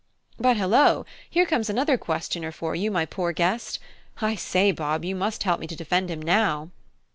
But, hillo! here comes another questioner for you, my poor guest. I say, Bob, you must help me to defend him now."